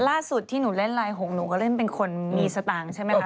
ล่าสุดที่หนูเล่นไลน์หกหนูก็เล่นเป็นคนมีสตางค์ใช่ไหมคะ